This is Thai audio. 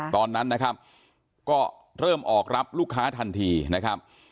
ตอนนั้นนะครับก็เริ่มออกรับลูกค้าทันทีนะครับ